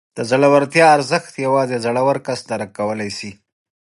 د زړورتیا ارزښت یوازې زړور کس درک کولی شي.